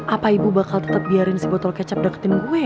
apa ibu bakal tetep biarin si botol kecap dangketin gue ya